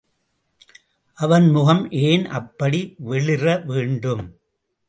அவன் முகம் ஏன் அப்படி வெளிற வேண்டும்?